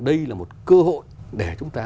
đây là một cơ hội để chúng ta